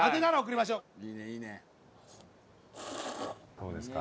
どうですか？